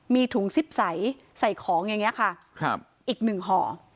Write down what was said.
มีถุงซิปใสใส่ของอย่างนี้ค่ะอีกหนึ่งห่อ